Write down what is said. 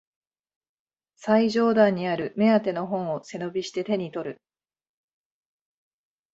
最上段にある目当ての本を背伸びして手にとる